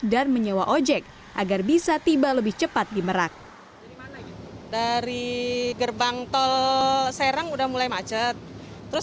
dan menyewa ojek agar bisa tiba lebih cepat di merak dari gerbang tol serang udah mulai macet terus